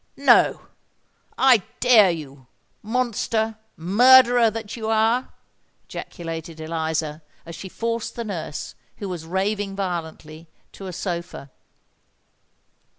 "No—I dare you—monster, murderer that you are!" ejaculated Eliza, as she forced the nurse, who was raving violently, to a sofa.